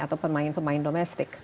atau pemain pemain domestik